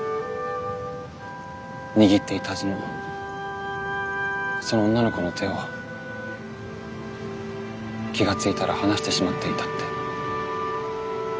握っていたはずのその女の子の手を気が付いたら離してしまっていたって。